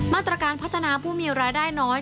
มาตรการพัฒนาผู้มีรายได้น้อย